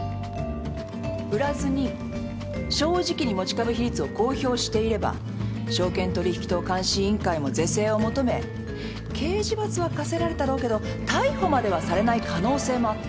売らずに正直に持ち株比率を公表していれば証券取引等監視委員会も是正を求め刑事罰は課せられたろうけど逮捕まではされない可能性もあった。